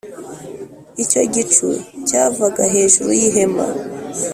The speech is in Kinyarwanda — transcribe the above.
icyo gicu cyavaga hejuru y ihema